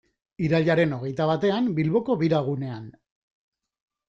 Irailaren hogeita batean, Bilboko Bira gunean.